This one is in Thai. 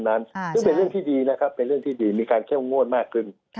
ซึ่งเป็นเรื่องที่ดีนะครับเป็นเรื่องที่ดีมีการเข้มงวดมากขึ้น